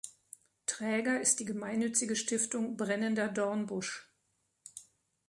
Träger ist die gemeinnützige Stiftung Brennender Dornbusch.